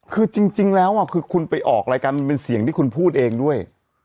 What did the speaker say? คือจริงแล้วคือคุณไปออกรายการมันเป็นเสียงที่คุณพูดเองด้วย